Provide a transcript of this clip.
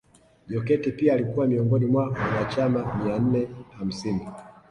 Jokate pia alikuwa miongoni mwa wanachama mia nne hamsini